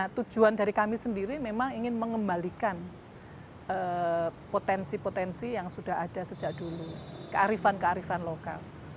tujuan dari kami sendiri memang ingin mengembalikan potensi potensi yang sudah ada sejak dulu kearifan kearifan lokal